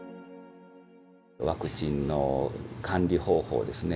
ワクチンの管理方法ですね。